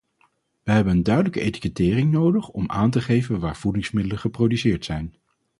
Wij hebben een duidelijke etikettering nodig om aan te geven waar voedingsmiddelen geproduceerd zijn.